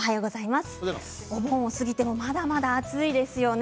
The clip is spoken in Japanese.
お盆を過ぎてもまだまだ暑いですよね。